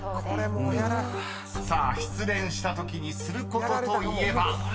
［さあ失恋したときにすることといえば？］